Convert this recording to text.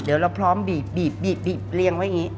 เดี๋ยวเราพร้อมบีบเรียงไว้อย่างนี้